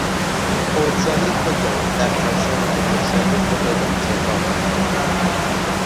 خردسالی خود را در کاشان و بزرگسالی خود را در تهران گذراند.